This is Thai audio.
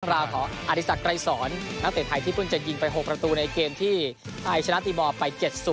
ราวของอธิสักไกรสอนนักเตะไทยที่เพิ่งจะยิงไป๖ประตูในเกมที่ไทยชนะตีบอลไป๗๐